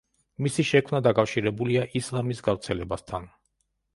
მისი შექმნა დაკავშირებულია ისლამის გავრცელებასთან.